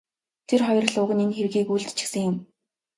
Тэр хоёр л уг нь энэ хэргийг үйлдчихсэн юм.